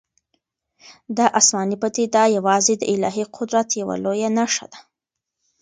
دا آسماني پدیده یوازې د الهي قدرت یوه لویه نښه ده.